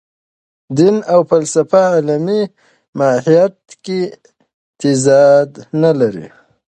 دین او فلسفه علمي ماهیت کې تضاد نه لري.